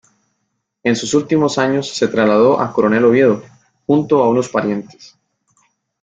En sus últimos años se trasladó a Coronel Oviedo junto a unos parientes.